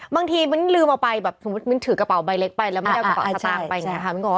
มิ้นลืมเอาไปแบบสมมุติมิ้นถือกระเป๋าใบเล็กไปแล้วไม่ได้เอากระเป๋าสตางค์ไปอย่างนี้ค่ะ